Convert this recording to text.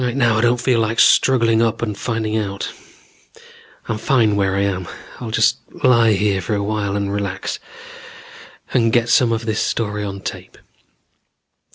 Right now I don't feel like struggling up and finding out. I'm fine where I am. I'll just lie here for a while and relax, and get some of the story on tape.